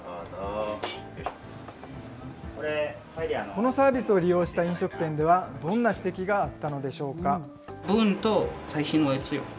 このサービスを利用した飲食店では、どんな指摘があったのでしょうか。